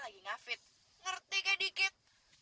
lagi ngafit ngerti kayak dikit